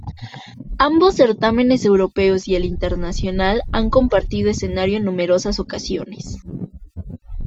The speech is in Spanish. Ambos certámenes europeos y el internacional han compartido escenario en numerosas ocasiones.